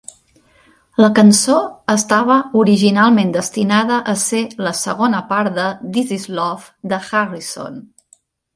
La cançó estava originalment destinada a ser la segona part de "This is Love", de Harrison.